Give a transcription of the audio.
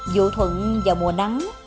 vụ thuận vào mùa nắng